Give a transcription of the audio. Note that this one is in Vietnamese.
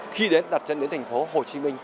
khi đến đặt chân đến thành phố hồ chí minh